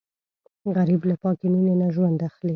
غریب له پاکې مینې نه ژوند اخلي